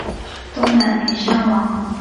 东南邻山王。